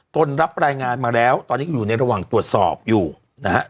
รับรายงานมาแล้วตอนนี้ก็อยู่ในระหว่างตรวจสอบอยู่นะฮะ